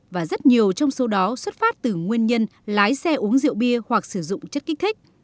và rất nhiều trong số đó xuất phát từ nguyên nhân lái xe uống rượu bia hoặc sử dụng chất kích thích